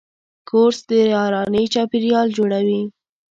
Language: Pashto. کورس د یارانې چاپېریال جوړوي.